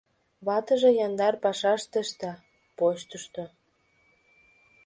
Ватыже яндар пашаште ышта: почтышто.